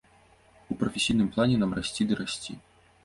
У прафесійным плане нам расці ды расці.